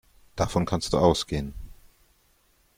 Davon kannst du ausgehen.